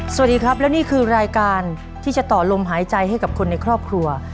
สวัสดีครับและนี่คือรายการที่จะต่อลมหายใจให้กับคนในครอบครัว